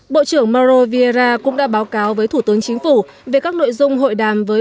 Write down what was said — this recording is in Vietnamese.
bộ trưởng mauro vieira cũng đã báo cáo với thủ tướng chính phủ về các nội dung hội đàm với